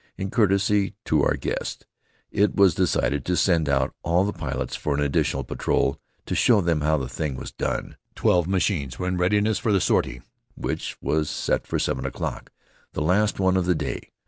In courtesy to our guests, it was decided to send out all the pilots for an additional patrol, to show them how the thing was done. Twelve machines were in readiness for the sortie, which was set for seven o'clock, the last one of the day.